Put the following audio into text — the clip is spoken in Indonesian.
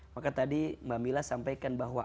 maka tadi mbak mila sampaikan bahwa